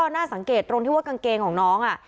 น่าสังเกตตรงที่ว่ากางเกงของน้อง